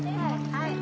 はい。